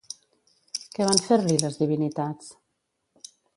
Què van fer-li les divinitats?